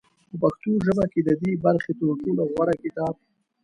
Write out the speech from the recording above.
په پښتو ژبه کې د دې برخې تر ټولو غوره کتاب